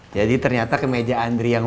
jadi ternyata ke meja andri yangee